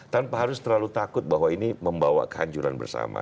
tanpa harus terlalu takut bahwa ini membawa kehancuran bersama